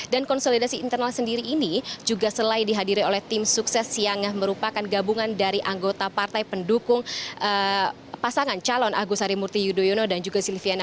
dan konsolidasi internal sendiri ini juga selai dihadiri oleh tim sukses yang merupakan gabungan dari anggota partai pendukung pasangan calon agus harimurti yudhoyono dan juga silviana murni